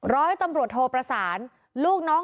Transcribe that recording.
ร้อยตำรวจโทพระศาล